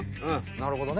なるほどね。